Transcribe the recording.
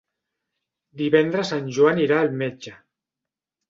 Divendres en Joan irà al metge.